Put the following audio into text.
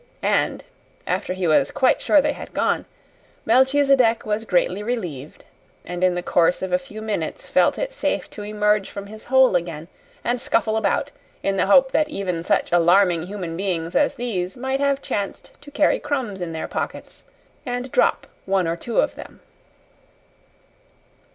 And, after he was quite sure they had gone, Melchisedec was greatly relieved, and in the course of a few minutes felt it safe to emerge from his hole again and scuffle about in the hope that even such alarming human beings as these might have chanced to carry crumbs in their pockets and drop one or two of them.